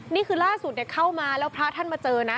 นี่คือล่าสุดเข้ามาแล้วพระท่านมาเจอนะ